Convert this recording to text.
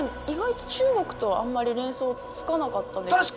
意外と中国とあんまり連想つかなかったです。